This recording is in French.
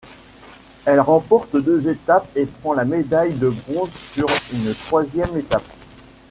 Elle remporte deux étapes et prend la médaille de bronze sur une troisième étape.